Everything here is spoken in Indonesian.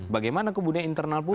bagaimana kemudian internal publik